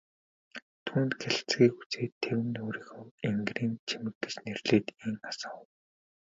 Түүний гялалзахыг үзээд тэвнэ өөрийгөө энгэрийн чимэг гэж нэрлээд ийн асуув.